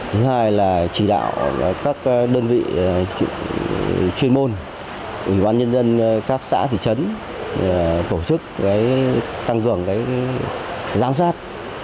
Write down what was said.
thứ hai là chỉ đạo các đơn vị chuyên môn ủy ban nhân dân các xã thị trấn tổ chức tăng cường giám sát